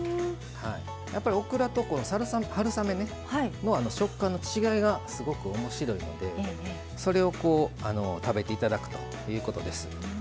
オクラと春雨の食感の違いがすごくおもしろいのでそれを食べていただくということです。